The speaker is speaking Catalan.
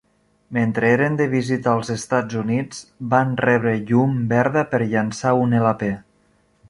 Mentre eren de visita als Estats Units van rebre llum verda per llançar un elapé.